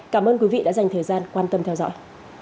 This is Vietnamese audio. cảm ơn quý vị đã dành thời gian quan tâm theo dõi